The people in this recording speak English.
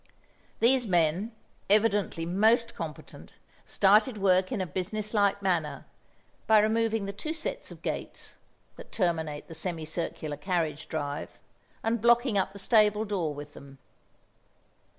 These men, evidently most competent, started work in a business like manner, by removing the two sets of gates, that terminate the semi circular carriage drive, and blocking up the stable door with them.